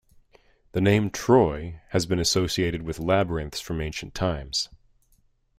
The name "Troy" has been associated with labyrinths from ancient times.